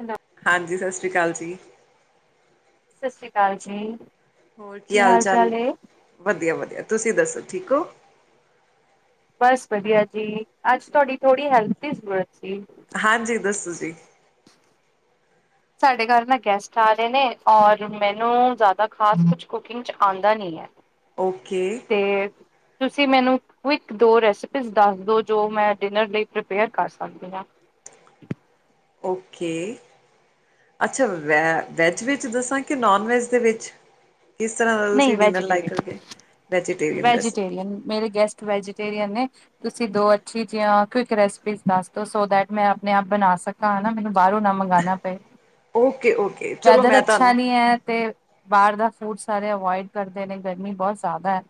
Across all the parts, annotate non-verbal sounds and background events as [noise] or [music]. ਹਨਾ। ਹਾਂਜੀ ਸਤਿ ਸ਼੍ਰੀ ਅਕਾਲ ਜੀ। ਸਤਿ ਸ਼੍ਰੀ ਅਕਾਲ ਜੀ। ਹੋਰ ਕੀ ਹਾਲ ਚਾਲ, ਵਧੀਆ ਵਧੀਆ ਤੁਸੀਂ ਦੱਸੋ ਠੀਕ ਹੋ। ਬਸ ਵਧੀਆ ਜੀ, ਅੱਜ ਤੁਹਾਡੀ ਥੋੜ੍ਹੀ ਹੈਲਪ ਦੀ ਜ਼ਰੂਰਤ ਸੀ। ਹਾਂਜੀ ਦੱਸੋ ਜੀ। ਸਾਡੇ ਘਰ ਨਾ ਗੈਸਟ ਆ ਰਹੇ ਨੇ ਔਰ ਮੈਨੂੰ ਜ਼ਿਆਦਾ ਖਾਸ ਕੁਛ ਕੁਕਿੰਗ ਚ ਆਦਾ ਨੀ। [inaudible] ਓਕੇ। ਤੇ ਤੁਸੀਂ ਮੈਨੂੰ ਇੱਕ-ਦੋ ਰੈਸਪੀ ਦੱਸ ਦੋ ਜੋ ਮੈਂ ਡਿਨਰ ਲਈ ਪ੍ਰਪੇਅਰ ਕਰ ਸਕਦੀ ਹਾਂ। ਓਕੇ। ਅੱਛਾ ਵੈ ਵੈੱਜ ਵਿੱਚ ਦੱਸਾਂ ਕਿ ਨੋਨ ਵੈੱਜ ਦੇ ਵਿੱਚ। ਕਿਸ ਤਰ੍ਹਾਂ ਦਾ ਨਹੀਂ ਤੁਸੀਂ ਡਿਨਰ ਲਾਈਕ ਵੈਜੀਟੇਰੀਅਨ ਕਰੋਗੇ ਵੈਜੀਟੇਰੀਨ ਰੈਸਪੀ। ਵੈਜੀਟੇਰੀਅਨ ਮੇਰੇ ਗੈਸਟ ਵੈਜੀਟੇਰੀਅਨ ਨੇ। ਤੁਸੀਂ ਦੋ ਅੱਛੀ ਜੀਆ ਕਿਉਕ ਰਸਪੀ ਦੱਸ ਦੋ ਸੋ ਦੈਟ ਮੈਂ ਆਪਣੇ ਆਪ ਬਣਾ ਸਕਾ। ਤਾ ਨਾ ਮੈਨੂੰ ਬਾਹਰੋਂ ਨਾ ਮੰਗਵਾਣਾ ਪਏ ਓਕੇ ਓਕੇ ਚਲੋ ਵੈਦਰ ਮੈਂ ਅੱਛਾ ਤੁਹਾਨੂੰ ਨੀ ਹੈ ਤੇ ਬਾਹਰ ਦਾ ਫੂਡ ਸਾਰੇ ਅਵੋਇਡ ਕਰਦੇ ਨੇ ਗਰਮੀ ਬਹੁਤ ਜ਼ਿਆਦਾ ਹੈ।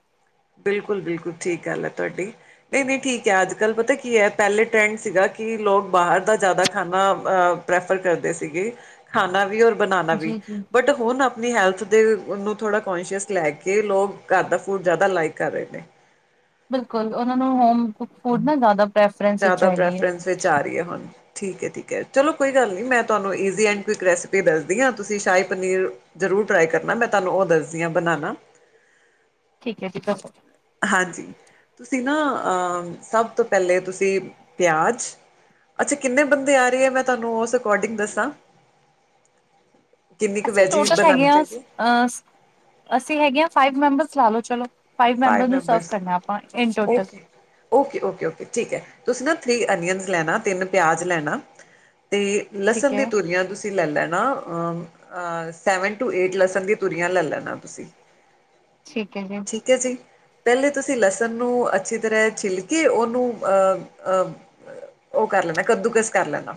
ਬਿਲਕੁਲ ਬਿਲਕੁਲ ਠੀਕ ਗੱਲ ਹੈ ਤੁਹਾਡੀ ਨਹੀਂ ਨਹੀਂ ਠੀਕ ਹੈ ਅੱਜ ਕੱਲ੍ਹ ਪਤਾ ਕੀ ਹੈ ਪਹਿਲੇ ਟਰੈਂਡ ਸੀਗਾ ਕਿ ਲੋਕ ਬਾਹਰ ਦਾ ਜ਼ਿਆਦਾ ਖਾਣਾ ਅ ਪ੍ਰੈਫਰ ਕਰਦੇ ਸੀਗੇ ਖਾਣਾ ਵੀ ਔਰ ਬਣਾਉਣਾ ਵੀ ਜੀ ਜੀ। ਬਟ ਹੁਣ ਆਪਣੀ ਹੈਲਥ ਦੇ ਨੂੰ ਥੋੜ੍ਹਾ ਕੋਂਸ਼ੀਅਸ ਲੈ ਕੇ ਲੋਕ ਘਰ ਦਾ ਫੂਡ ਜ਼ਿਆਦਾ ਲਾਈਕ ਕਰ ਰਹੇ ਨੇ। ਬਿਲਕੁਲ ਉਹਨਾਂ ਨੂੰ ਹੋਮ ਕੁਕ ਫੂਡ ਨਾ ਜ਼ਿਆਦਾ‌ ਜ਼ਿਆਦਾ ਪ੍ਰੈਫਰੈਂਸ ਵਿਚ ਆ ਰਹੀ ਹੈ ਹੁਣ ਠੀਕ ਹੈ ਠੀਕ ਹੈ ਚਲੋ ਕੋਈ ਗੱਲ ਨਹੀਂ ਮੈਂ ਤੁਹਾਨੂੰ ਈਜ਼ੀ ਐਂਡ ਕੁਇਕ ਰੈਸਪੀ ਦੱਸਦੀ ਹਾਂ ਤੁਸੀਂ ਸ਼ਾਹੀ ਪਨੀਰ ਜ਼ਰੂਰ ਟਰਾਈ ਕਰਨਾ ਮੈਂ ਤੁਹਾਨੂੰ ਉਹ ਦੱਸਦੀ ਹਾਂ ਬਣਾਉਣਾ ਠੀਕ ਹੈ ਜੀ। ਹਾਂਜੀ ਤੁਸੀਂ ਨਾ ਆ ਸਭ ਤੋਂ ਪਹਿਲੇ ਤੁਸੀਂ ਪਿਆਜ਼ ਅੱਛਾ ਕਿੰਨੇ ਬੰਦੇ ਆ ਰਹੇ। ਮੈਂ ਤੁਹਾਨੂੰ ਉਸ ਅਕੋਰਡਿੰਗ ਦੱਸਾਂ। [inaudible] ਕਿੰਨੀ ਕੁ ਅਸੀਂ ਵੈਜੀ ਟੋਟਲ ਹੈਗੇ ਬਣਾਉਣੀ ਹਾਂ ਅਸ ਚਾਹੀਦੀ ਹੈ ਅ ਅਸੀਂ ਹੈਗੇ ਹਾਂ ਫਾਈਵ ਮੈਂਬਰਸ ਲਾ ਲਓ ਚਲੋ। ਫਾਈਵ ਮੈਂਬਰ ਨੂੰ ਸਰਵ ਕਰਨਾ ਆਪਾਂ in total. Okay okay okay okay ਠੀਕ ਹੈ, ਤੁਸੀਂ ਨਾ ਥਰੀ ਅਨੀਅਨਸ ਲੈਣਾ ਤਿੰਨ ਪਿਆਜ ਲੈਣਾ। ਤੇ ਠੀਕ ਲਸਣ ਦੀ ਹੈ ਤੂਰੀਆਂ ਤੁਸੀਂ। ਤੁਸੀਂ ਲੈ ਲੈਣਾ ਅਅ ਸੈਵਨ ਟੂ ਏਟ ਲਸਣ ਦੀਆਂ ਤੁੂਰੀਆਂ ਲੈ ਲੈਣਾ ਤੁਸੀਂ। ਠੀਕ ਹੈ ਜੀ। ਠੀਕ ਹੈ ਜੀ। ਪਹਿਲੇ ਤੁਸੀਂ ਲਸਣ ਨੂੰ ਅੱਛੀ ਤਰ੍ਹਾਂ ਛਿੱਲਕੇ ਉਹਨੂੰ ਅਹ ਅਹ ਉਹ ਕਰ ਲੈਣਾ ਕੱਦੂਕਸ ਕਰ ਲੈਦਾ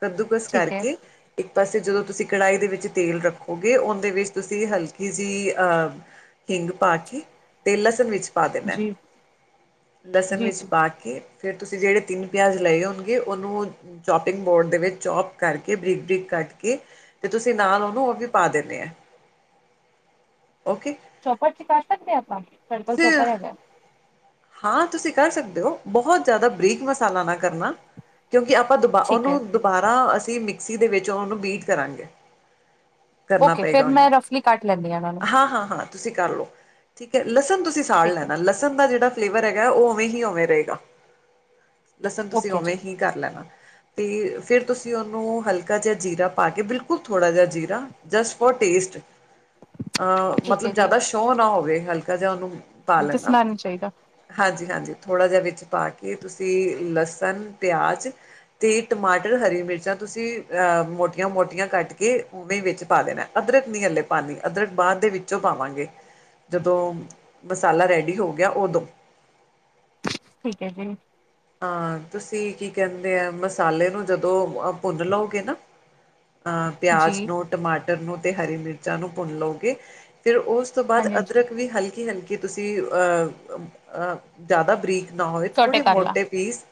ਕੱਦੂਕਸ ਠੀਕ ਹੈ। ਕਰਕੇ ਇੱਕ ਪਾਸੇ ਜਦੋਂ ਤੁਸੀਂ ਕੜਾਹੀ ਦੇ ਵਿੱਚ ਤੇਲ ਰੱਖੋਗੇ ਉਹਦੇ ਵਿੱਚ ਤੁਸੀਂ ਹਲਕੀ ਜਿਹੀ ਆ ਹਿੰਗ ਪਾ ਕੇ, ਤੇ ਲਸਣ ਵਿੱਚ ਪਾ ਦੇਣਾ ਐ। ਜੀ ਲਸਣ ਜੀ ਜੀ ਪਾ ਕੇ ਤੇ ਫੇਰ ਤੁਸੀਂ ਜਿਹੜੇ ਤਿੰਨ ਪਿਆਜ ਲਏ ਹੋਣਗੇ, ਉਹਨੂੰ ਚੋਪਿੰਗ ਬੋਰਡ ਦੇ ਵਿੱਚ ਚੋਪ ਕਰਕੇ, ਬਰੀਕ ਬਰੀਕ ਕੱਟ ਕੇ ਤੇ ਤੁਸੀਂ ਨਾਲ ਉਹਨੂੰ ਉਹ ਵੀ ਪਾ ਦੇਣੇ ਏ। ਓਕੇ। ਚੋਪਰ ਚ ਪਾ ਸਕਦੇ ਆਪਾਂ ਮੇਰੇ ਕੋਲ ਤੁਸੀਂ ਚੋਪਰ ਹੈਗਾ। ਹਾਂ ਤੁਸੀਂ ਕਰ ਸਕਦੇ ਹੋ, ਬਹੁਤ ਜ਼ਿਆਦਾ ਬਰੀਕ ਮਸਾਲਾ ਨਾ ਕਰਨਾ। ਕਿਉਂਕਿ ਆਪਾਂ ਦੁਬਾ ਠੀਕ ਉਹਨੂੰ ਹੈ। ਦੁਬਾਰਾ ਅਸੀਂ ਮਿਕਸੀ ਦੇ ਵਿੱਚ ਉਹਨੂੰ ਬੀਟ ਕਰਾਂਗੇ। ਕਰਨਾ ਓਕੇ ਪਏਗਾ ਫੇਰ ਉਹਨੂੰ। ਮੈਂ ਰਫਲੀ ਕੱਟ ਲੈਂਦੀ ਉਹਨਾਂ ਨੂੰ ਹਾਂ ਹਾਂ ਹਾਂ। ਤੁਸੀਂ ਕਰ ਲਓ ਠੀਕ ਹੈ ਲਸਣ ਤੁਸੀਂ ਸਾੜ ਠੀਕ ਹੈ ਲੈਣਾ ਲਸਣ ਦਾ ਜਿਹੜਾ। ਫਲੇਵਰ ਹੈਗਾ ਉਹ ਓਵੇਂ ਹੀ ਓਵੇਂ ਰਹੇਗਾ ਲਸਣ ਤੁਸੀਂ ਓਕੇ ਜੀ ਉਵੇਂ ਹੀ ਕਰ ਲੈਣਾ। ਅਤੇ, ਫਿਰ ਤੁਸੀਂ ਉਹਨੂੰ ਹਲਕਾ ਜਿਹਾ ਜੀਰਾ ਪਾ ਕੇ ਬਿਲਕੁਲ ਥੋੜ੍ਹਾ ਜਿਹਾ ਜੀਰਾ। Just for taste. ਅਹ ਠੀਕ ਹੈ ਮਤਲਬ ਜੀ ਜਿਆਦਾ ਸ਼ੋ ਨਾ ਹੋਵੇ ਹਲਕਾ ਜਿਹਾ ਉਹਨੂੰ ਪਾ ਲੈਣਾ। ਦੱਸਣਾ ਚਾਹੀਦਾ। ਹਾਂਜੀ, ਹਾਂਜੀ ਥੋੜ੍ਹਾ ਜਿਹਾ ਵਿੱਚ ਪਾ ਕੇ ਤੁਸੀਂ ਲਸਣ ਪਿਆਜ਼। ਤੇ ਟਮਾਟਰ ਹਰੀ ਮਿਰਚਾਂ ਤੁਸੀਂ ਅਹ ਮੋਟੀਆਂ ਮੋਟੀਆਂ ਕੱਟ ਕੇ। ਉਵੇਂ ਵਿੱਚ ਪਾ ਦੇਣਾ ਏ ਅਦਰਕ ਨਹੀਂ ਹੱਲੇ ਪਾਣੀ ਅਦਰਕ ਬਾਅਦ ਦੇ ਵਿੱਚੋਂ ਪਾਵਾਂਗੇ। ਜਦੋਂ, ਮਸਾਲਾ ਰੈਡੀ ਹੋ ਗਿਆ ਉਦੋਂ। ਠੀਕ ਏ ਜੀ। ਅਹਾਂ ਤੁਸੀਂ ਕੀ ਕਹਿੰਦੇ ਆ, ਮਸਾਲੇ ਨੂੰ ਜਦੋਂ ਅ ਭੁੰਨ ਲਓਗੇ ਨਾ। ਅਹ ਪਿਆਜ ਜੀ ਨੂੰ, ਟਮਾਟਰ ਨੂੰ, ਤੇ ਹਰੀ ਮਿਰਚਾਂ ਨੂੰ ਭੁੰਨ ਲਓਗੇ। ਫਿਰ, ਉਸ ਉਸ ਤੋਂ ਬਾਅਦ ਹਾਂਜੀ ਹਾਂਜੀ ਅਦਰਕ ਵੀ ਹਲਕੀ ਹਲਕੀ ਤੁਸੀਂ ਅ ਜ਼ਿਆਦਾ ਬਰੀਕ। ਨਾ ਹੋਏ ਸੋਟੇ ਥੋੜੇ ਕਰ ਲਾ ਮੋਟੇ। ਪੀਸ,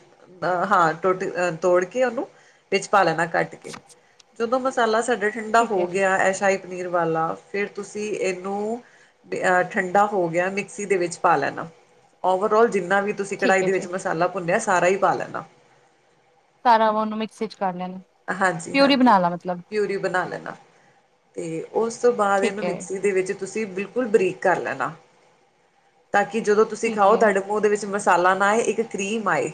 ਅਹਾਂ ਟੁੱਟ ਅ ਤੋੜ ਕੇ ਉਹਨੂੰ ਵਿੱਚ ਪਾ ਲੈਣਾ ਕੱਟ ਕੇ। ਜਦੋਂ ਮਸਾਲਾ ਸਾਡਾ ਠੰਡਾ ਠੀਕ ਹੈ, ਹੋ ਗਿਆ ਐਸਾ ਹੀ ਪਨੀਰ ਵਾਲਾ ਫਿਰ ਤੁਸੀਂ ਇਹਨੂੰ। ਤੇ ਅਹ ਠੰਡਾ ਹੋ ਗਿਆ, ਮਿਕਸੀ ਦੇ ਵਿੱਚ ਪਾ ਲੈਣਾ। ਓਵਰਆਲ ਜਿੰਨਾ ਵੀ ਤੁਸੀਂ ਠੀਕ ਕੜਾਹੀ ਹੈ ਦੇ ਜੀ ਵਿੱਚ ਮਸਾਲਾ ਭੁੰਨਿਆ, ਸਾਰਾ ਹੀ ਪਾ ਲੈਣਾ। ਸਾਰਾ ਉਹਨੂੰ ਮਿਕਸੀ ਚ ਕਰ ਲੈਣਾ। ਹਾਂਜੀ ਪਿਊਰੀ ਹਾਂਜੀ, ਬਣਾ ਲਾ ਮਤਲਬ ਪਿਊਰੀ ਬਣਾ ਲੈਣਾ। ਤੇ, ਉਸ ਤੋਂ ਬਾਅਦ ਠੀਕ ਇਹਨੂੰ ਹੈ, ਮਿਕਸੀ ਦੇ ਵਿੱਚ। ਤੁਸੀਂ ਬਿਲਕੁਲ ਬਰੀਕ ਕਰ ਲੈਣਾ। ਤਾਂ ਕਿ ਜਦੋਂ ਤੁਸੀਂ ਠੀਕ ਖਾਓ ਹੈ ਤੁਹਾਡੇ ਮੂੰਹ। ਉਹਦੇ ਵਿੱਚ ਮਸਾਲਾ ਨਾ ਆਏ। ਇੱਕ ਕਰੀਮ ਆਏ,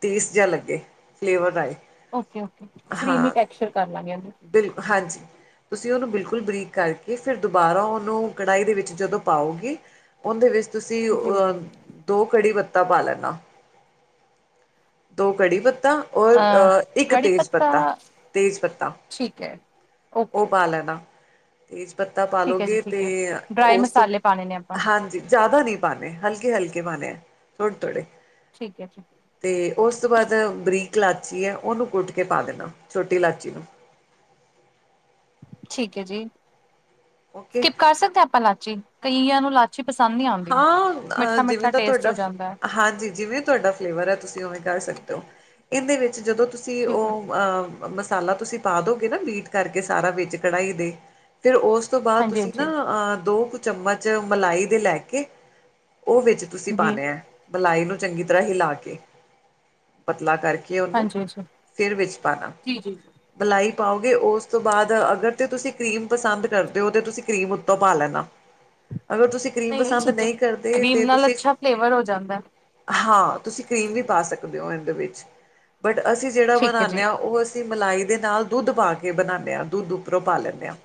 ਟੇਸਟ ਜਿਹਾ ਲੱਗੇ ਫਲੇਵਰ ਆਏ। ਓਕੇ, ਓਕੇ ਕ੍ਰੀਮੀ ਹਾਂ ਟੈਕਸ਼ਰ ਕਾਰ ਲਾਂਗੇ। ਬਿਲ ਹਾਂਜੀ। ਤੁਸੀਂ ਉਹਨੂੰ ਬਿਲਕੁਲ ਬਰੀਕ ਕਰਕੇ ਫਿਰ ਦੁਬਾਰਾ ਉਹਨੂੰ ਕੜਾਹੀ ਦੇ ਵਿੱਚ ਜਦੋਂ ਪਾਓਗੇ। ਓਂਦੇ ਵਿੱਚ ਤੁਸੀ ਜੀ ਅ ਦੋ ਕੜੀ ਪੱਤਾ ਪਾ ਲੈਨਾ, ਦੋ ਕੜੀ ਪੱਤਾ। ਔਰ ਅ ਇੱਕ। ਕੜੀ ਤੇਜ਼ ਪੱਤਾ, ਤੇਜ ਪੱਤਾ ਠੀਕ ਹੈ ਓ ਓਕੇ ਪਾ ਲੈਨਾ। ਤੇਜ ਪੱਤਾ ਪਾ ਠੀਕ ਹੈ ਜੀ ਲਓਗੇ ਠੀਕ ਤੇ, ਹੈ ਡਰਾਈ ਓਸ ਤੋ, ਮਸਾਲੇ ਪਾਣੇ ਨੇ ਆਪਾਂ ਹਾਂਜੀ ਜਿਆਦਾ ਨੀ ਪਾਣੇ ਹਲਕੇ, ਹਲਕੇ ਪਾਣੇ ਐ ਥੋੜੇ, ਥੋੜੇ। ਠੀਕ ਐ ਜੀ। ਤੇ, ਓਸ ਤੋ ਬਾਦ ਬਰੀਕ ਲਾਚੀ ਐ ਓਨੂੰ ਕੁੱਟ ਕੇ ਪਾ ਦੇਨਾ, ਛੋਟੀ ਲਾਚੀ ਨੂੰ। ਠੀਕ ਏ ਜੀ, ਓਕੇ ਸਿਕਿੱਪ ਕਰ ਸਕਦੇ ਆ ਆਪਾਂ ਲਾਚੀ, ਕਈਆਂ ਨੂੰ ਲਾਚੀ ਪਸੰਦ ਨੀ ਆਂਦੀ? ਹਾਂ, ਅ ਜਿਵੇਂ ਤਾਂ ਤੁਹਾਡਾ, ਹੈ ਹਾਂਜੀ ਜਿਵੇਂ। ਤੁਹਾਡਾ ਫਲੇਵਰ ਹੈ ਤੁਸੀਂ ਉਵੇਂ ਕਰ ਸਕਦੇ ਹੋ। ਇਹਦੇ ਵਿੱਚ ਜਦੋਂ ਤੁਸੀਂ ਠੀਕ ਹੈ ਉਹ ਅਅ। ਮਸਾਲਾ ਤੁਸੀਂ ਪਾ ਦੋਗੇ ਨਾ, ਬੀਟ ਕਰਕੇ ਸਾਰਾ ਵਿੱਚ ਕੜਹੀ ਦੇ। ਤੇ, ਉਸ ਤੋਂ ਬਾਅਦ ਹਾਂਜੀ ਤੁਸੀਂ ਨਾ ਹਾਂਜੀ ਅ ਦੋ ਕੁ ਚਮਚ ਮਲਾਈ ਦੇ ਲੈ ਕੇ। ਕਿ ਉਹ ਵਿੱਚ ਤੁਸੀਂ ਜੀ ਪਾਣੇ ਹੈ। ਮਲਾਈ ਨੂੰ ਚੰਗੀ ਤਰ੍ਹਾਂ ਹਿਲਾ ਕੇੇ ਪਤਲਾ ਕਰਕੇ। ਤੇ ਉਹਨੂੰ ਹਾਂਜੀ ਹਾਂਜੀ ਫਿਰ ਵਿੱਚ ਪਾਉਣਾ। ਜੀ ਜੀ ਮਲਾਈ ਪਾਓਗੇ, ਓਸਤੋ ਬਾਦ ਅਗਰ ਤੇ ਤੁਸੀ ਕਰੀਮ ਪਸੰਦ ਕਰਦੇ ਓ ਤੇ ਤੁਸੀ ਕਰੀਮ ਓੱਤੋਂ ਪਾ ਲੈਣਾ। ਅਗਰ ਤੁਸੀ ਕ੍ਰੀਮ ਨਹੀਂ ਨਹੀਂ ਪਸੰਦ ਠੀਕ ਹੈ ਨਈ ਕਰਦੇ, ਕਰੀਮ ਤੇ ਨਾਲ ਤੁਸੀ ਅੱਛਾ ਫਲੇਵਰ ਹੋ ਜਾਂਦਾ ਹਾਂ, ਤੁਸੀਂ ਕ੍ਰੀਮ ਵੀ ਪਾ ਸਕਦੇ ਓ ਏਂਦੇ ਵਿੱਚ, ਬਟ ਅਸੀ ਜੇੜਾ ਠੀਕ ਹੈ ਬਨਾਂਨੇ ਜੀ ਆ ਓ ਅਸੀ ਤੇ ਮਲਾਈ ਦੇ ਨਾਲ ਦੁੱਧ ਪਾ ਕੇ ਬਨਾਨੇ ਆ, ਦੁੱਧ ਉੱਪਰੋਂ ਪਾ ਲੈੱਨੇ ਆ।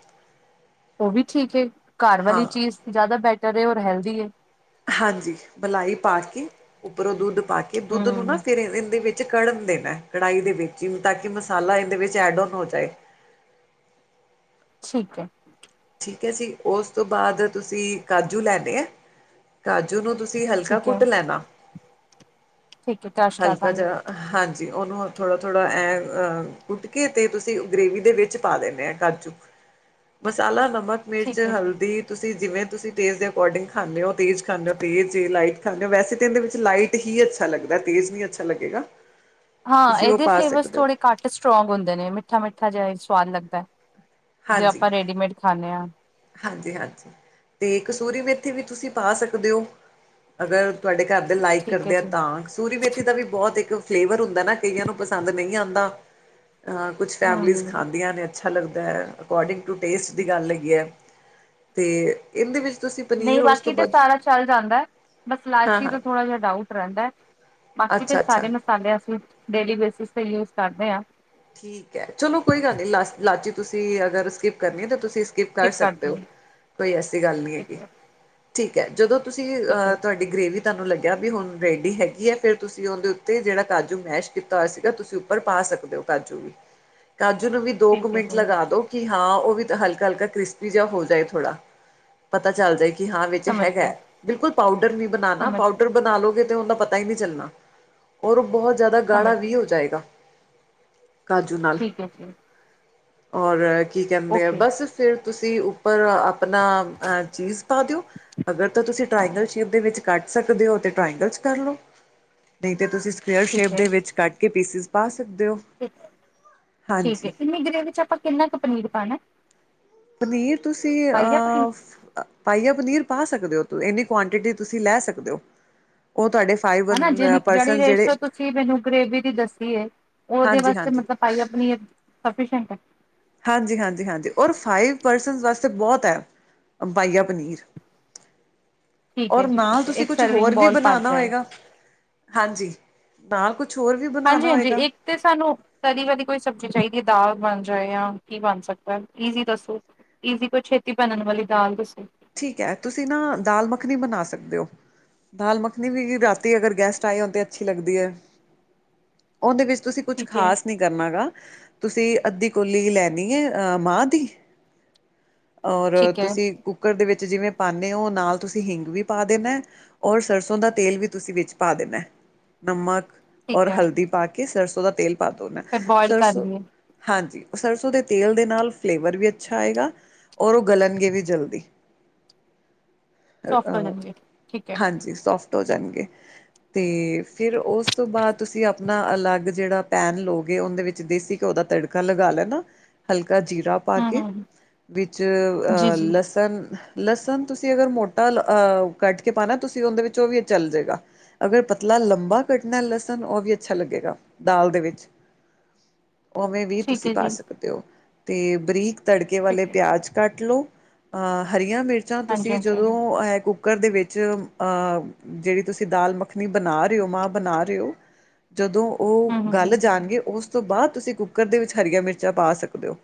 ਓ ਵੀ ਠੀਕ ਹੇ, ਘਰ ਵਾਲੀ ਹਾਂ ਚੀਜ਼ ਜਾਦਾ ਬੈਟਰ ਏ ਔਰ ਹੈਲਦੀ ਏ। ਹਾਂਜੀ, ਮਲਾਈ ਪਾ ਕੇ, ਉੱਪਰੋਂ ਦੁੱਧ ਪਾ ਕੇ ਦੁੱਧ ਨੂੰ ਨਾ ਹਮ ਫੇਰ ਏਂਦੇ ਵਿੱਚ ਕੜਨ ਦੇਨਾ ਏ, ਕੜਾਈ ਦੇ ਵਿੱਚ ਈ ਤਾਕਿ ਮਸਾਲਾ ਏਦੇ ਵਿੱਚ ਐੜ ਔਨ ਹੋ ਜਾਏ। ਠੀਕ ਐ। ਠੀਕ ਐ ਜੀ, ਓਸ ਤੋ ਬਾਦ ਤੁਸੀ ਕਾਜੂ ਲੈਨੇ ਐ ਕਾਜੂ ਨੂੰ ਤੁਸੀ ਹਲਕਾ ਠੀਕ ਹੈ ਕੁੱਟ ਲੈਨਾ, ਠੀਕ ਹੈ ਕਸ਼ ਕਰ ਹਲਕਾ ਦਾਂਗੇ ਜਾ ਹਾਂਜੀ, ਓਨੂੰ ਥੋੜਾ, ਥੋੜਾ ਐਂ ਅ, ਕੁੱਟ ਕੇ ਤੇ ਤੂਸੀ ਗ੍ਰੇਵੀ ਦੇ ਵਿੱਚ ਪਾ ਦੇਨੇ ਐ ਕਾਜੂ। ਕਾਲਾ ਨਮਕ, ਮਿਰਚ, ਠੀਕ ਹੈ ਜੀ ਹਲਦੀ ਤੂਸੀ ਜਿਵੇਂ ਤੂਸੀ ਟੇਜ਼ ਦੇ ਅਕੋਡਿੰਗ ਖਾਂਦੇ ਓ, ਤੇਜ ਖਾਂਦੇ ਓ ਤੇਜ, ਜੇ ਲਾਈਟ ਖਾਂਨੇ ਓ, ਵੈਸੇ ਤੇ ਐਂਦੇ ਵਿੱਚ ਲਾਈਟ [unintelligible] ਹੀ ਅੱਛਾ ਲੱਗਦਾ ਤੇਜ਼ ਨੀ ਅੱਛਾ ਲੱਗੇਗਾ। ਹਾਂ, ਤੁਸੀਂ ਉਹ ਏਦੇ ਪਾ ਫ਼ਲੇਵਸ਼ ਸਕਦੇ ਹੋ ਥੋੜੇ ਘੱਟ ਸਟੋ੍ਂਗ ਹੁੰਦੇ ਨੇ ਮਿੱਠਾ, ਮਿੱਠਾ ਜੇਆ ਈ ਸਵਾਦ ਲੱਗਦਾ ਐ, ਜੇ ਅਪਾਂ ਰੇਡੀਮੇਟ ਖਾਨੇ ਆਂ। ਹਾਂਜੀ, ਹਾਂਜੀ ਤੇ ਕਸੂਰੀ ਮੇਥੀ ਵੀ ਤੂਸੀ ਪਾ ਸਕਦੇ ਔ, ਅਗਰ ਤੂਆਡੇ ਘਰ ਦੇ ਲਾਈਕ ਠੀਕ ਹੈ ਕਰਦੇ ਆ ਜੀ ਤਾਂ [unintelligible] ਤੂਰੀ ਮੇਥੀ ਦਾ ਵੀ ਬੋਤ ਇੱਕ, ਫ਼ਲੇਵਰ ਹੁੰਦਾ ਏਨਾ ਕਈਆਂ ਨੂੰ ਪਸੰਦ ਨਈ ਆਂਦਾ ਕੁਛ ਫੈ਼ਮਲੀਜ਼ ਹਮ ਖਾਂਦੀਆਂ ਨੇ ਅੱਛਾ ਲੱਗਦਾ ਐ, ਅਕੋਡਿੰਗ ਟੂ ਟੇਸਟ ਦੀ ਗੱਲ ਹੈਗੀ ਐ ਤੇ, ਏਂਦੇ ਵਿੱਚ ਤੁਸੀਂ ਪਨੀਰ ਨਹੀਂ ਉਸ ਬਾਕੀ ਤੋਂ ਤੇ ਬਾਅਦ ਸਾਰਾ ਚੱਲ ਜਾਂਦਾ, ਬਸ ਲਾਚੀ ਹਾਂ-ਹਾਂ ਤੇ ਥੋੜਾ ਜੇਆ ਡਾਊਟ ਰੇਂਦਾ ਬਾਕੀ ਦੇ ਸਾਰੇ ਅੱਛਾ-ਅੱਛਾ ਮਸਾਲੇ ਅਸੀ, ਡੇਲੀ ਬੇਸਿਸ ਤੇ ਯੂਜ਼ ਕਾਰਦੇਂ ਆਂ ਠੀਕ ਐ, ਚਲੋ ਕੋਈ ਗੱਲ ਨੀ ਲਾ, ਲਾਚੀ ਤੁਸੀ ਅਗਰ ਸਿਕਿਪ ਕਰਨੀ ਏ ਤੇ ਤੁਸੀ ਸਿਕਿਪ ਕਾਰ ਸਕਿਪ ਸਕਦੇ ਕਰਦੇ ਔ, ਹਾਂ ਕੋਈ ਐਸੀ ਗੱਲ ਨੀ ਠੀਕ ਹੈਗੀ, ਹੈ ਠੀਕ ਐ ਜਦੋਂ ਤੁਸੀ ਠੀਕ ਅ ਹੈ ਤੁ ਦੀ ਗ੍ਰੇਵੀ ਤੁਆਨੂੰ ਲੱਗਿਆ ਵੀ ਹੁਣ ਰੇਡੀ ਹੈਗੀ ਐ, ਫੇ਼ਰ ਤੁਸੀ ਔਦੇਂ ਊਤੇ ਜੇੜਾ ਕਾਜੂ ਮੈਸ਼ ਕੀਤਾ ਹੋਯਾ ਸੀਗਾ ਤੂਸੀ ਪਰ ਪਾ ਸਕਦੇ ਔ ਕਾਜੂ, ਕਾਜੂ ਨੂੰ ਵੀ ਦੋ ਇੱਕ ਠੀਕ ਹੈ ਮਿੰਟ ਜੀ ਲਗਾ ਦੋ ਕਿ ਹਾਂ, ਔ ਵੀ ਤਾਂ ਹਲਕਾ, ਹਲਕਾ ਕ੍ਰਿਸਪੀ ਜਾ ਹੋ ਜਾਏ ਥੋੜਾ, ਪਤਾ ਚੱਲ ਜਾਏ ਕਿ ਹਾਂ ਵਿੱਚ ਸਮਝ ਹੈਗਾ ਗਿਆ ਐ, ਬਿਲਕੁਲ ਪਾਊਡਰ ਨੀ ਬਨਾਨਾ, ਸਮਝ ਗਿਆ ਪਾਊਡਰ ਬਨਾ ਲੋਗੇ ਤੇ ਓਂਦਾ ਪਤਾ [unintelligible] ਨਈ ਚੱਲਨਾ, ਔਰ ਔ ਬੋਹੋਤ ਜਾਦਾ ਗਾੜਾ ਸਮਝ ਵੀ ਗਿਆ ਹੋ ਜਾਏਗਾ ਕਾਜੂ ਨਾਲ, ਠੀਕ ਹੈ ਜੀ ਔਰ ਅ ਕੀ ਕੇਂਦੇ ਆ ਓਕੇ ਬਸ ਫੇ਼ਰ ਤੁਸੀ ਉ ਪਰ ਆਪਣਾ ਅ ਚੀਜ਼ ਪਾਦੇਯੋ ਅਗਰ ਤਾਂ ਤੁਸੀਂ ਟ੍ਰਇਂਗਲ ਸ਼ੇਪ ਦੇ ਵਿੱਚ ਕੱਟ ਸਕਦੇ ਹੋ ਤੇ ਟ੍ਰਇਂਗਲ ਚ ਕਰ ਲਓ। ਨਹੀ ਤੇ ਤੁਸੀਂ ਸਕੇਅਰ ਸ਼ੇਪ ਠੀਕ ਹੈ ਦੇ ਵਿੱਚ ਕੱਟ ਕੇ ਪੀਸਿਸ ਪਾ ਸਕਦੇ ਹੋ। ਠੀਕ ਏ ਹਾਂਜੀ ਇੰਨੀ ਗ੍ਰੇਵੀ ਚ ਆਪਾਂ ਕਿੰਨਾ ਕੁ ਪਨੀਰ ਪਾਉਣਾ? ਪਨੀਰ ਤੁਸੀਂ ਅਹ ਪਾਈਆ ਪਨੀਰ ਪਾ ਸਕਦੇ ਹੋ ਇੰਨੀ ਕੁਆਂਟਿਟੀ ਤੁਸੀਂ ਲੈ ਸਕਦੇ ਹੋ ਉਹ ਤੁਹਾਡੇ ਫਾਈਵ ਹੇਨਾ ਜੇ ਜਿਹੜੀ ਪਰਸਨ ਜਿਹੜੇ ਰੇਸ਼ੋ ਤੁਸੀਂ ਮੈਨੂੰ ਗ੍ਰੇਵੀ ਦੀ ਦੱਸੀ ਏ ਉਹਦੇ ਹਾਂਜੀ ਵਾਸਤੇ ਹਾਂਜੀ ਮਤਲਬ ਪਾਇਆ ਪਨੀਰ ਸਫੀਸ਼ੀਐਂਟ ਐ। ਹਾਂਜੀ ਹਾਂਜੀ ਹਾਂਜੀ ਔਰ ਫਾਈਵ ਪਰਸਨ ਵਾਸਤੇ ਬਹੁਤ ਐ ਪਾਇਆ ਪਨੀਰ। ਠੀਕ ਹੈ ਔਰ ਜੀ ਨਾਲ ਠੀਕ ਹੈ ਤੁਸੀਂ ਇੱਕ ਕੁਛ ਸਰਵਿੰਗ ਹੋਰ ਵੀ ਬੋਲ ਭਰ ਬਣਾਉਣਾ ਜਾਏ ਹੋਏਗਾ। ਹਾਂਜੀ ਨਾਲ ਕੁਛ ਹੋਰ ਵੀ ਬਣਾਣਾ ਹਾਂਜੀ ਹਾਂਜੀ ਹੋਏਗਾ ਇੱਕ ਤੇ ਸਾਨੂੰ ਤਰੀ ਵਾਲੀ ਕੋਈ ਸਬਜ਼ੀ ਚਾਹੀਦੀ ਐ ਦਾਲ ਬਣ ਜਾਏ ਜਾਂ ਕੀ ਬਣ ਸਕਦਾ ਈਜ਼ੀ ਦੱਸੋ? ਈਨੀ ਕੋਈ ਛੇਤੀ ਬਨਨ ਵਾਲੀ ਦਾਲ ਦੱਸੋ? ਠੀਕ ਐ, ਤੁਸੀ ਨਾ ਦਾਲ ਮੱਖਨੀ ਬਨਾ ਸਕਦੇ ਔ ਦਾਲ ਮੱਖਨੀ ਵੀ ਰਾਤੀ ਅਗਰ ਗੈਸਟ ਆਏ ਹੋਨ ਤੇ ਅੱਛੀ ਲੱਗਦੀ ਐ ਉਂਦੇ ਵਿੱਚ ਤੁਸੀ ਕੁਛ ਠੀਕ ਹੈ ਖਾਸ ਨੀ ਕਰਨਾ ਹੇਗਾ, ਤੁਸੀ ਅੱਧੀ ਕੋਲੀ ਲੈਨੀ ਏ ਅ, ਮਾਂ ਦੀ ਔਰ, ਠੀਕ ਹੈ ਤੁਸੀ ਕੁੱਕਰ ਦੇ ਵਿੱਚ ਜਿਵੇਂ ਪਾਂਨੇ ਔ ਨਾਲ ਤੁਸੀ ਹਿੰਗ ਵੀ ਪਾ ਦੇਨਾ ਔਰ ਸਰਸੋਂ ਦਾ ਤੇਲ ਵੀ ਤੁਸੀਂ ਵਿੱਚ ਪਾ ਦੇਿੰਣਾ ਨਮਕ ਠੀਕ ਔਰ ਹੈ ਹਲਦੀ ਪਾ ਕੇ ਸਰਸੋਂ ਦਾ ਤੇਲ ਪਾ ਦੋਨਾ ਫਿਰ ਬੋਇਲ ਕਰ ਸਰਸੋਂ ਲਈਏ ਹਾਂਜੀ ਸਰਸੋਂ ਦੇ ਤੇਲ ਦੇ ਨਾਲ ਫਲੇਵਰ ਵੀ ਅੱਛਾ ਆਏਗਾ। ਔਰ ਉਹ ਗਲਣਗੇ ਵੀ ਜਲਦੀ। ਸੋਫਟ ਹੋ ਅਹ ਜਾਂਦੀ ਹੈ ਠੀਕ ਹੈ ਹਾਂਜੀ ਸੋਫਟ ਹੋ ਜਾਣਗੇ। ਤੇ ਫਿਰ ਉਸ ਤੋਂ ਬਾਅਦ ਤੁਸੀ ਆਪਣਾ ਅਲੱਗ ਜਿਹੜਾ ਪੈਨ ਲਓਗੇ ਉਹਦੇ ਵਿੱਚ ਦੇਸੀ ਘਿਓ ਦਾ ਤੜਕਾ ਲਗਾ ਲੈਣਾ ਹਲਕਾ ਜੀਰਾ ਪਾ ਹਮ ਕੇ ਹਮ ਵਿੱਚ ਜੀ ਅਹ ਜੀ ਲਸਣ ਲਸਣ ਤੁਸੀਂ ਅਗਰ ਮੋਟਾ ਕੱਟ ਕੇ ਪਾਣਾ ਤੁਸੀਂ ਉਹਦੇ ਵਿੱਚੋਂ ਵੀ ਚੱਲ ਜੇਗਾ। ਅਗਰ ਪਤਲਾ ਲੰਬਾ ਕੱਟਣਾ ਲਸਣ ਉਹ ਵੀ ਅੱਛਾ ਲੱਗੇਗਾ ਦਾਲ ਦੇ ਵਿੱਚ। [inaudible] ਉਵੇਂ ਵੀ ਠੀਕ ਤੁਸੀਂ ਹੈ ਪਾ ਜੀ ਸਕਦੇ ਹੋ ਤੇ ਬਰੀਕ ਤੜਕੇ ਵਾਲੇ ਠੀਕ ਹੈ। ਅਜ ਕੱਟ ਲਓ ਅਹ ਹਰੀਆਂ ਮਿਰਚਾਂ ਹਾਂਜੀ ਤੁਸੀਂ ਹਾਂਜੀ ਹਮ ਜਦੋਂ ਐ ਕੁੱਕਰ ਦੇ ਵਿੱਚ ਜਿਹੜੀ ਤੁਸੀ ਦਾਲ ਮੱਖਣੀ ਬਣਾ ਰਹੇ ਹੋ ਮਾਂ ਬਣਾ ਰਹੇ ਹੋ ਜਦੋਂ ਉਹ ਹਮ ਹਮ ਗੱਲ ਜਾਣਗੇ ਉਸ ਤੋਂ ਬਾਅਦ ਤੁਸੀ ਕੁੱਕਰ ਦੇ ਵਿੱਚ ਹਰੀਆਂ ਮਿਰਚਾਂ ਪਾ ਸਕਦੇ ਹੋ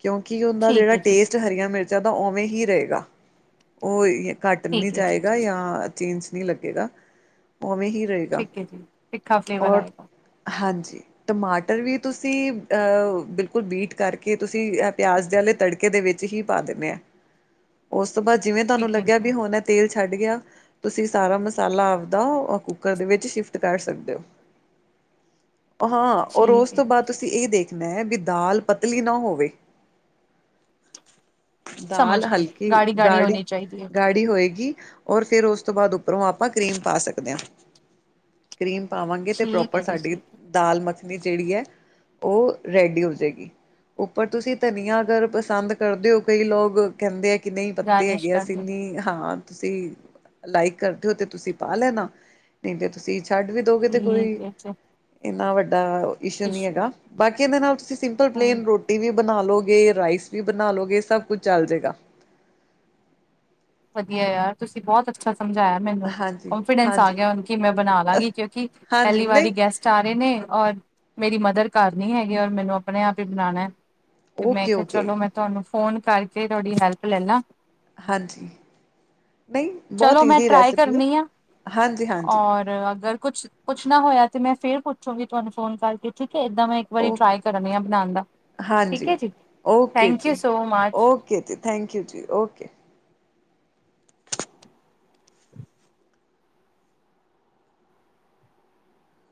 ਕਿਉਂਕਿ ਉਹਦਾ ਠੀਕ ਜਿਹੜਾ ਹੈ ਜੀ ਟੇਸਟ ਹਰੀਆਂ ਮਿਰਚਾਂ ਦਾ ਉਵੇਂ ਹੀ ਰਹੇਗਾ। ਉਹ ਘੱਟ ਨਹੀ ਠੀਕ ਹੈ ਜੀ ਜਾਏਗਾ ਯਾ ਚੇਂਜ ਨਹੀ ਲੱਗੇਗਾ ਉਹਵੇਂ ਹੀ ਰਹੇਗਾ। ਠੀਕ ਹੈ ਜੀ ਤਿੱਖਾ ਫਲੇਵਰ ਔਰ ਆਏਗਾ। ਹਾਂਜੀ ਟਮਾਟਰ ਵੀ ਤੁਸੀ ਬਿਲਕੁਲ ਬੀਟ ਕਰਕੇ ਤੁਸੀਂ ਪਿਆਜ ਦੇ ਆਲੇ ਤੜਕੇ ਦੇ ਵਿੱਚ ਹੀ ਪਾ ਦੇਣ ਆ ਉਸ ਤੋਂ ਬਾਅਦ ਜਿਵੇਂ ਤੁਹਾਨੂੰ ਠੀਕ ਹੈ ਲੱਗਿਆ ਜੀ ਵੀ ਹੁਣ ਤੇਲ ਛੱਡ ਗਿਆ ਤੁਸੀ ਸਾਰਾ ਮਸਾਲਾ ਆਪਦਾ ਕੁੱਕਰ ਦੇ ਵਿੱਚ ਸ਼ਿਫਟ ਕਰ ਸਕਦੇ ਹੋ। [inaudible] ਹਾਂ, ਔਰ ਉਸ ਠੀਕ ਹੈ ਤੋਂ ਬਾਅਦ ਤੁਸੀਂ ਠੀਕ ਹੈ ਇਹ ਦੇਖਣਾ ਹੈ ਵੀ ਦਾਲ ਪਤਲੀ ਨਾ ਹੋਵੇ। ਦਾਲ ਸਮਝ ਗਏ ਹਲਕੀ ਗਾੜੀ ਹੋਣੀ ਚਾਹੀਦੀ ਹੈ ਗਾੜੀ ਹੋਏਗੀ ਔਰ ਫੇਰ ਉਸ ਤੋਂ ਬਾਅਦ ਉੱਪਰੋਂ ਆਪਾਂ ਕਰੀਮ ਪਾ ਸਕਦੇ ਹਾਂ। ਕਰੀਮ ਪਾਵਾਂਗੇ ਤੇ ਠੀਕ ਪ੍ਰੋਪਰ ਹੈ ਜੀ ਸਾਡੀ ਠੀਕ ਹੈ ਦਾਲ ਮੱਖਣੀ ਜਿਹੜੀ ਹੈ ਉਹ ਰੈਡੀ ਹੋ ਜਾਵੇਗੀ ਉੱਪਰ ਤੁਸੀਂ ਧਨੀਆ ਅਗਰ ਪਸੰਦ ਕਰਦੇ ਹੋ ਕਈ ਲੋਕ ਕਹਿੰਦੇ ਆ ਕਿ ਨਹੀ ਪੱਤੇ ਗਾਰਨਿਸ਼ ਹੈਗੇ ਕਰ ਅਸੀਂ ਲਓ ਨਹੀਂ ਹਾਂ। ਤੁਸੀ ਲਾਈਕ ਕਰਦੇ ਹੋ ਤੇ ਤੁਸੀ ਪਾ ਲੈਣਾ ਨਹੀ ਤੇ ਤੁਸੀਂ ਛੱਡ ਵੀ ਦੋ ਗੇ ਤੇ ਕੋਈ ਠੀਕ ਹੈ ਜੀ ਇੰਨਾ ਵੱਡਾ ਇਸ਼ੂ ਨਹੀ ਟਿਸ਼ੂ ਹੈਗਾ ਬਾਕੀ ਇਹਦੇ ਨਾਲ ਤੁਸੀ ਸਿੰਪਲ ਹਾਂ, ਪਲੇਨ ਰੋਟੀ ਵੀ ਬਣਾ ਲੋਗੇ, ਰਾਈਸ ਵੀ ਬਣਾ ਲੋਗੇ ਸਭ ਕੁੱਝ ਚੱਲ ਜੇਗਾ। ਵਧੀਆ ਯਾਰ ਤੁਸੀਂ ਬਹੁਤ ਅੱਛਾ ਸਮਝਾਇਆ। ਮੈਨੂੰ ਹਾਂਜੀ, ਕੋਂਫੀਡੈਂਸ ਆ ਹਾਂਜੀ, ਗਿਆ ਹੁਣ ਕਿ ਮੈਂ ਬਣਾ ਲਾਂਗੀ ਕਿਉਂਕਿ ਹਾਂਜੀ ਪਹਿਲੀ ਵਾਰੀ ਨਹੀਂ ਗੈਸਟ ਆ ਰੇ ਨੇ ਔਰ ਮੇਰੀ ਮਦਰ ਘਰ ਨੀ ਹੈਗੀ ਔਰ ਮੈਨੂੰ ਆਪਣੇ ਆਪ ਹੀ ਬਣਾਉਣਾ। ਤੇ ਮੈਂ ਓਕੇ, ਕਿਹਾ ਓਕੇ ਚਲੋ ਮੈਂ ਤੁਹਾਨੂੰ ਫੋਨ ਕਰਕੇ ਤੁਹਾਡੀ ਹੈਲਪ ਲੈ ਲਾਂ। ਹਾਂਜੀ ਨਹੀਂ ਬਹੁਤ ਚਲੋ ਮੈਂ ਈਜ਼ੀ ਟਰਾਈ ਰੈਸਪੀ ਹੈ ਕਰਨੀ ਆ ਹਾਂਜੀ-ਹਾਂਜੀ। ਔਰ ਅਗਰ ਕੁੱਛ ਪੁੱਛਣਾ ਹੋਇਆ ਤੇ ਮੈਂ ਫੇਰ ਪੁੱਛਾਂਗੀ ਤੁਹਾਨੂੰ ਫੋਨ ਕਰਕੇ ਠੀਕ ਹੈ ਏਦਾਂ ਮੈਂ ਵਾਰੀ ਓਕੇ ਟਰਾਈ ਕਰਨੇ ਆ ਬਣਾਉਣ ਦਾ ਠੀਕ ਹੈ ਹਾਂਜੀ ਜੀ ਓਕੇ ਥੈਂਕ ਯੂ ਜੀ ਸੋ ਮਚ ਓਕੇ ਜੀ ਥੈਂਕ ਯੂ ਜੀ ਓਕੇ